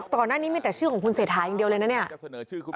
ก่อนหน้านี้มีแต่ชื่อของคุณเศรษฐาอย่างเดียวเลยนะเนี่ย